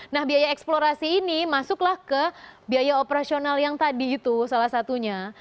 nah biaya eksplorasi ini masuklah ke biaya operasional yang tadi itu salah satunya